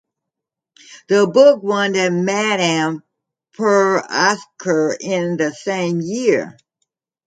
The book won the Madan Puraskar in the same year.